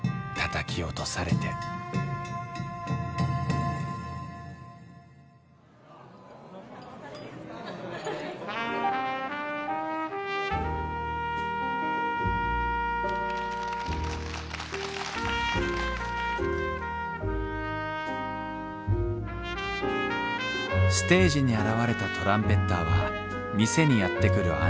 たたき落とされてステージに現れたトランペッターは店にやって来る